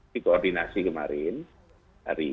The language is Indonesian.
di koordinasi kemarin hari